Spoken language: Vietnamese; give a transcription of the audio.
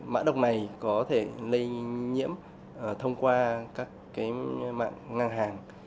mã độc này có thể lây nhiễm thông qua các cái mạng ngang hàng